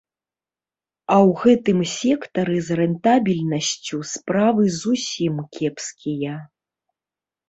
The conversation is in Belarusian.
А ў гэтым сектары з рэнтабельнасцю справы зусім кепскія.